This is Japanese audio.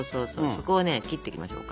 そこをね切っていきましょうか。